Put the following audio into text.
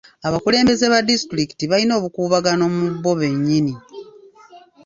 Abakulembeze ba disitulikiti balina obukuubagano mu bo bennyini.